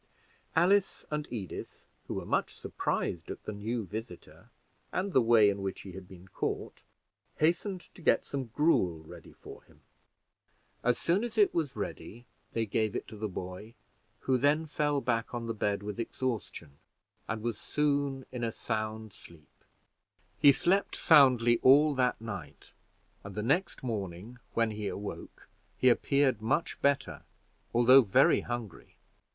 Alice and Edith, who were much surprised at the new visitor and the way in which he had been caught, hastened to get some gruel ready for him. As soon as it was ready, they gave it to the boy, who then fell back on the bed with exhaustion, and was soon in a sound sleep. He slept soundly all that night; and the next morning, when he awoke, he appeared much better, although very hungry.